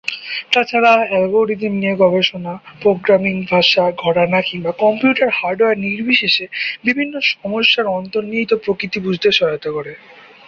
তাছাড়া অ্যালগোরিদম নিয়ে গবেষণা প্রোগ্রামিং ভাষা, ঘরানা, কিংবা কম্পিউটার হার্ডওয়্যার নির্বিশেষে বিভিন্ন সমস্যার অন্তর্নিহিত প্রকৃতি বুঝতে সহায়তা করে।